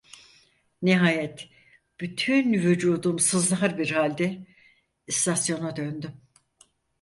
Nihayet, bütün vücudum sızlar bir halde, istasyona döndüm…